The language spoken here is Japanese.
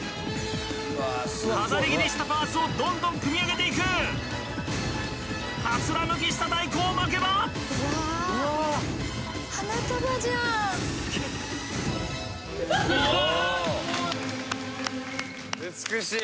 飾り切りしたパーツをどんどん組み上げていくかつらむきした大根を巻けば美しい！